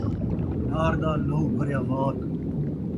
نحر دا لہو بھریا وات